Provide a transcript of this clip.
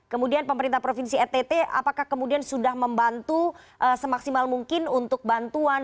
kemudian pemerintah provinsi ntt apakah kemudian sudah membantu semaksimal mungkin untuk bantuan